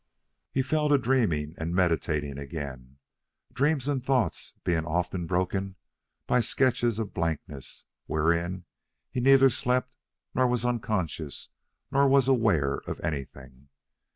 He fell to dreaming and meditating again, dreams and thoughts being often broken by sketches of blankness, wherein he neither slept, nor was unconscious, nor was aware of anything.